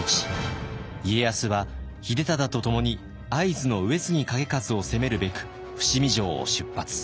家康は秀忠と共に会津の上杉景勝を攻めるべく伏見城を出発。